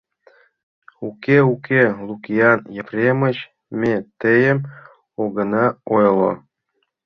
Уке, уке, Лукиан Ефремыч, ме тыйым огына ойло.